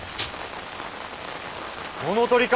物取りか？